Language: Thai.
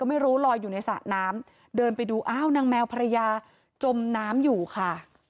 ไม่รู้ลอยอยู่ในสระน้ำเดินไปดูอ้าวนางแมวภรรยาจมน้ำอยู่ค่ะ